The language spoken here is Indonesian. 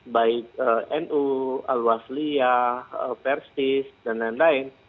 baik nu al wazliyah persis dan lain lain